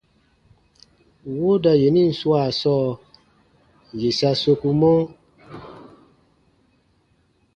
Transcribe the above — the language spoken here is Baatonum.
Wooda yenin swaa sɔɔ, yè sa sokumɔ: